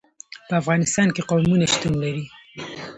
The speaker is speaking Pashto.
په افغانستان کې قومونه شتون لري.